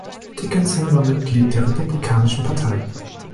Dickinson war Mitglied der Republikanischen Partei.